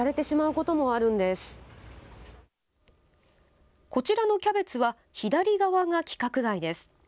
こちらのキャベツは左側が規格外です。